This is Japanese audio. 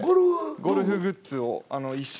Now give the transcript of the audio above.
ゴルフグッズを一式。